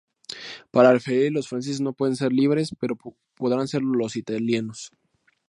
Para Alfieri "los franceses no pueden ser libres, pero podrán serlo los italianos".